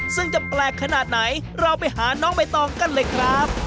ซึ่งจะแปลกขนาดไหนเราไปหาน้องใบตองกันเลยครับ